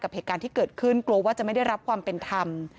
เหตุการณ์ที่เกิดขึ้นกลัวว่าจะไม่ได้รับความเป็นธรรม